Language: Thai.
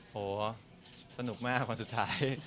โหสนุกมากวันสุดท้าย